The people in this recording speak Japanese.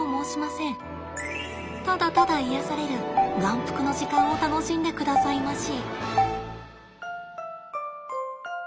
ただただ癒やされる眼福の時間を楽しんでくださいまし。